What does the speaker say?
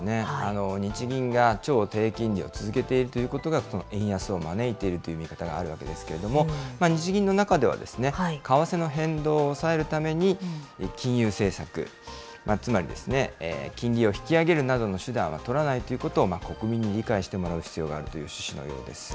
日銀が超低金利を続けているということが円安を招いているという見方があるわけですけれども、日銀の中では、為替の変動を抑えるために、金融政策、つまり金利を引き上げるなどの手段は取らないということを、国民に理解してもらう必要があるという趣旨のようです。